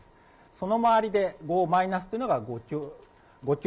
その周りで５マイナスというのが５強、